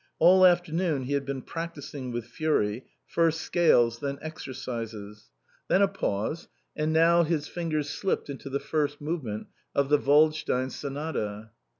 All afternoon he had been practising with fury; first scales, then exercises. Then a pause; and now, his fingers slipped into the first movement of the Waldstein Sonata.